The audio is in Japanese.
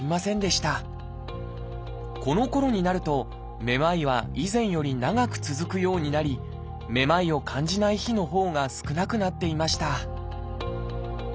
このころになるとめまいは以前より長く続くようになりめまいを感じない日のほうが少なくなっていました